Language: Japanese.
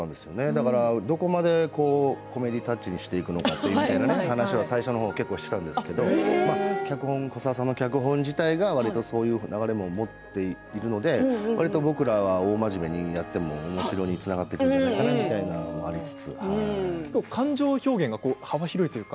だからどこまでコメディータッチにしていくのかみたいな話は最初の方結構していたんですけど古沢さんの脚本自体がわりと、そういうこだわりも持っているのでわりと僕らは大真面目にやってもおもしろいのにつながっていくんじゃないかなっていうところもありつつ。